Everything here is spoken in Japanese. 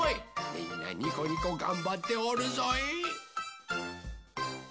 みんなにこにこがんばっておるぞい！